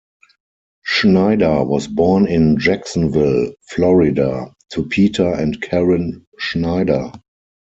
Schneider was born in Jacksonville, Florida to Peter and Karen Schneider.